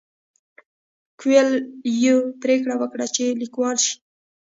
کویلیو پریکړه وکړه چې لیکوال شي.